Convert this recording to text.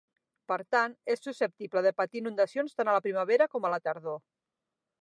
Per tant, és susceptible de patir inundacions tant a la primavera com a la tardor.